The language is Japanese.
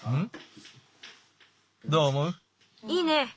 いいね！